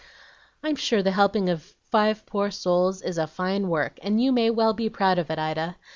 "I'm sure the helping of five poor souls is a fine work, and you may well be proud of it, Ida.